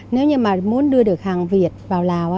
nếu như muốn đưa được hàng việt vào lào